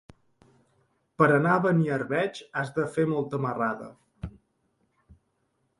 Per anar a Beniarbeig has de fer molta marrada.